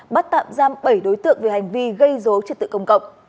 bắt tạm giam bảy đối tượng về hành vi gây dối trật tự công cộng